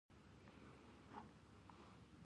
ازادي راډیو د د بشري حقونو نقض حالت ته رسېدلي پام کړی.